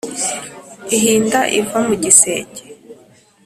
Ihinda iva mu gisenge;